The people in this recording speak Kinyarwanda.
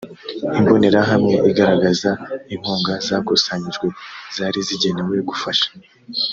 imbonerahamwe igaragaza inkunga zakusanyijwe zari zigenewe gufasha